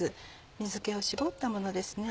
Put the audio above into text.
水気を絞ったものです。